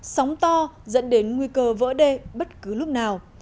sóng to dẫn đến nguy cơ vỡ đê bất cứ lúc nào